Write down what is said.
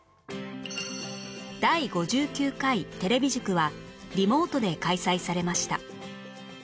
第５９回テレビ塾はリモートで開催されました